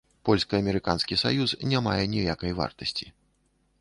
Польска-амерыканскі саюз не мае ніякай вартасці.